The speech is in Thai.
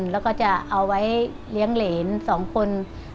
แล้วก็จะเอาไว้เลี้ยงเหรน๒คน